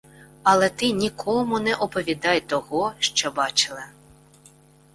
Але ти нікому не оповідай того, що бачила.